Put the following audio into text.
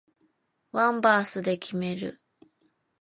ワンバースで決める